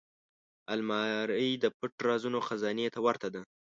الماري د پټ رازونو خزانې ته ورته ده